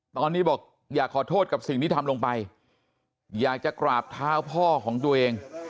ตอนนี้บอกอยากขอโทษกับสิ่งที่ทำลงไปอยากจะกราบเท้าพ่อของตัวเอง